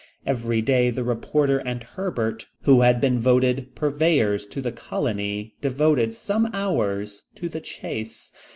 Every day, the reporter and Herbert, who had been voted purveyors to the colony, devoted some hours to the chase.